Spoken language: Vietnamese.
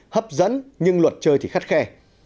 hấp dẫn nhưng luật chơi khắt khe